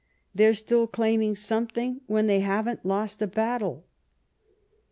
they're still claiming something when they haven't lost a battle